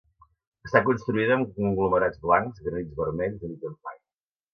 Està construïda amb conglomerats blancs, granits vermells units amb fang.